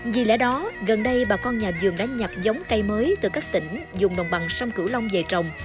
vì lẽ đó gần đây bà con nhà vườn đã nhập giống cây mới từ các tỉnh dùng đồng bằng sông cửu long về trồng